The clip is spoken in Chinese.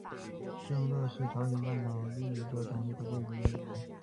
正乐是朝鲜半岛另一种类型的贵族音乐。